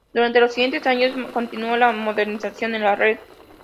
Durante los siguientes años continuó la modernización de la red.